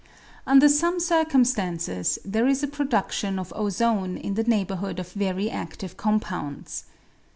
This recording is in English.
Under some circumstances there is a produdion of ozone in the neighbourhood of very adive compounds.